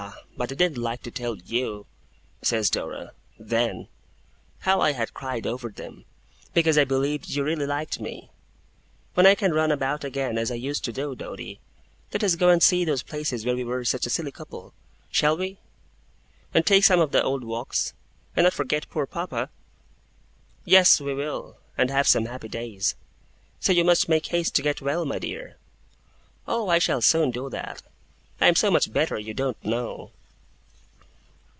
but I didn't like to tell you,' says Dora, 'then, how I had cried over them, because I believed you really liked me! When I can run about again as I used to do, Doady, let us go and see those places where we were such a silly couple, shall we? And take some of the old walks? And not forget poor papa?' 'Yes, we will, and have some happy days. So you must make haste to get well, my dear.' 'Oh, I shall soon do that! I am so much better, you don't know!